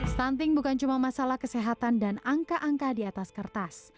stunting bukan cuma masalah kesehatan dan angka angka di atas kertas